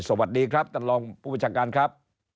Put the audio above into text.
สวัสดีครับท่านรองผู้ประชาการครับ